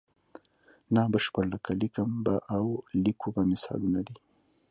نا بشپړ لکه لیکم به او لیکو به مثالونه دي.